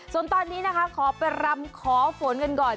ส่วนตอนนี้นะคะขอไปรำขอฝนกันก่อน